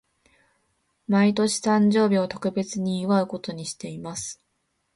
毎年、誕生日を特別に祝うことにしています。